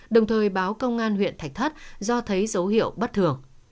đồng thời báo công an huyện thạch thất do thấy dấu hiệu bất thường